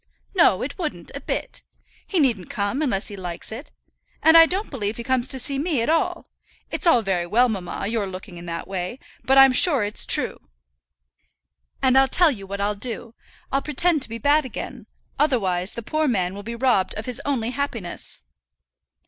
"No, it wouldn't, a bit. He needn't come, unless he likes it. And I don't believe he comes to see me at all. It's all very well, mamma, your looking in that way; but I'm sure it's true. And I'll tell you what I'll do, I'll pretend to be bad again, otherwise the poor man will be robbed of his only happiness."